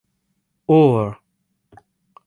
Orr.